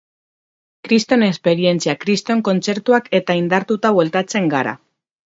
Kriston esperientzia, kriston kontzertuak eta indartuta bueltatzen gara.